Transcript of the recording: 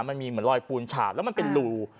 มันมีเหมือนรอยปูนฉาดแล้วมันเป็นรู